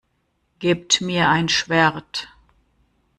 Gebt mir ein Schwert!